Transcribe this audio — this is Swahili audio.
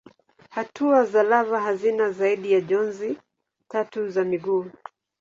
Hatua za lava hazina zaidi ya jozi tatu za miguu.